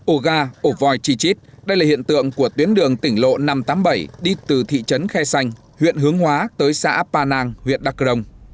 ô ga ổ vòi chi chít đây là hiện tượng của tuyến đường tỉnh lộ năm trăm tám mươi bảy đi từ thị trấn khe xanh huyện hướng hóa tới xã pa nang huyện đặc rồng